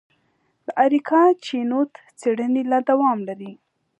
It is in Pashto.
د اریکا چینوت څېړنې لا دوام لري.